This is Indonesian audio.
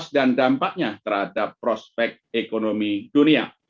dan dampaknya terhadap prospek ekonomi dunia